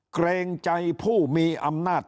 เกรงใจผู้มีอำนาจ